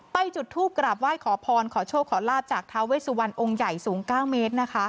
จุดทูปกราบไหว้ขอพรขอโชคขอลาบจากท้าเวสุวรรณองค์ใหญ่สูง๙เมตรนะคะ